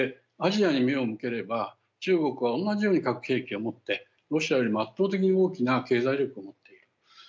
アジアに目を向ければ中国は同じように核兵器を持ってロシアよりも圧倒的に大きな経済力を持っている。